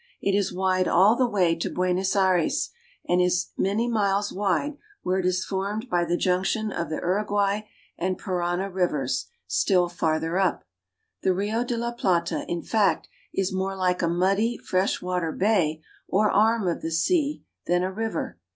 It is wide all the way to Buenos Aires, and it is many miles wide where it is formed by the junction of the Uruguay and Parana rivers, still farther up. The Rio de la Plata, in fact, is more like a muddy fresh water bay or arm of the sea than a river.